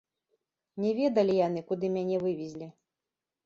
Не ведалі яны, куды мяне вывезлі.